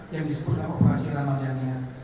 yang disebutkan operasi ramadan